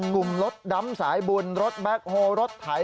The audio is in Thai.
กลุ่มรถดำสายบุญรถแบ็คโฮรถไถ